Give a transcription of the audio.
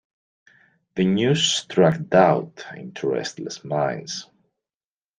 The news struck doubt into restless minds.